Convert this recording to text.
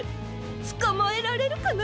つかまえられるかな？